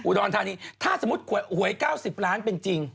รธานีถ้าสมมุติหวย๙๐ล้านเป็นจริง